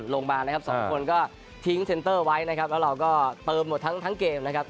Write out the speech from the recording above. ลงมานะครับสองคนก็ทิ้งเซ็นเตอร์ไว้นะครับแล้วเราก็เติมหมดทั้งเกมนะครับ